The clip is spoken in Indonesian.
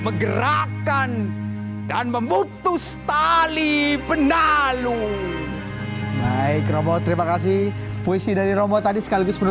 menggerakkan dan memutus tali penalu baik romo terima kasih puisi dari romo tadi sekaligus penuh